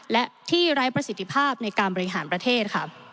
และที่ไร้ประสิทธิภาพในการบริหารประเทศค่ะ